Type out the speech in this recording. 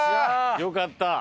よかった！